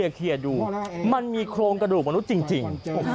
เคลียร์ดูมันมีโครงกระดูกมนุษย์จริง